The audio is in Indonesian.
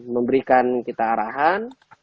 memberikan kita arahan